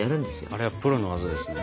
あれはプロの技ですね。